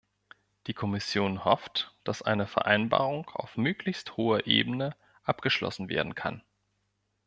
Die Kommission hofft, dass eine Vereinbarung auf möglichst hoher Ebene abgeschlossen werden kann.